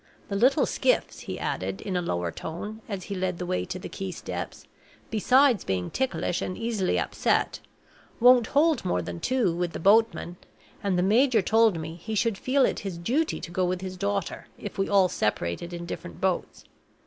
The little skiffs," he added, in a lower tone, as he led the way to the quay steps, "besides being ticklish and easily upset, won't hold more than two, with the boatman; and the major told me he should feel it his duty to go with his daughter, if we all separated in different boats.